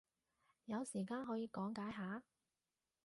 有時間可以講解下？